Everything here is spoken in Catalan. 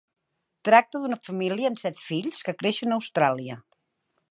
Tracta d'una família amb set fills que creixen a Austràlia.